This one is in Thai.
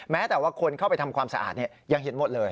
แม้แต่ว่าคนเข้าไปทำความสะอาดยังเห็นหมดเลย